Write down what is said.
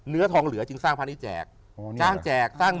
เนื้อทองเหลือจึงสร้างพระนี้แจก